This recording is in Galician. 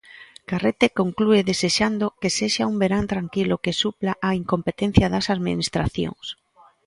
Carrete conclúe desexando "que sexa un verán tranquilo que supla a incompetencia das administracións".